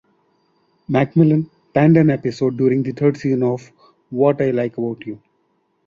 McMillian penned an episode during the third season of "What I Like About You".